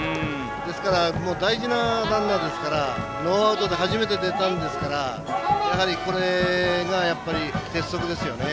ですから大事なランナーですからノーアウトで初めて出たんですからこれが鉄則ですよね。